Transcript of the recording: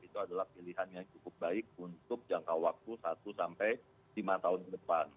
itu adalah pilihan yang cukup baik untuk jangka waktu satu sampai lima tahun ke depan